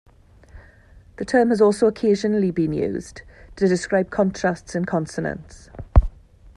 The term has also occasionally been used to describe contrasts in consonants.